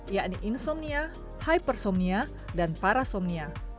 yakni insomnia hypersomnia dan parasomnia